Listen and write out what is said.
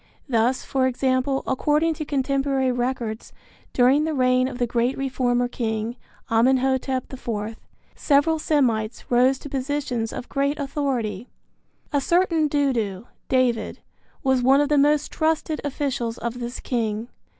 Thus, for example, according to contemporary records, during the reign of the great reformer king, Amenhotep IV, several Semites rose to positions of great authority. A certain Dudu (David) was one of the most trusted officials of this king.